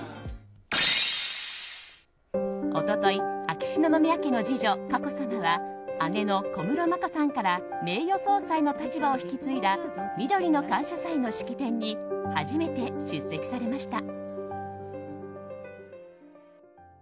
一昨日秋篠宮家の次女・佳子さまは姉の小室眞子さんから名誉総裁の立場を引き継いだみどりの感謝祭の式典に初めて出席されました。